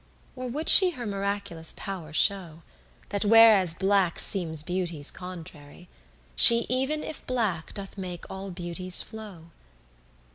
Or would she her miraculous power show, That whereas black seems Beauty's contrary, She even if black doth make all beauties flow?